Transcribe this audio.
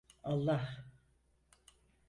Allah.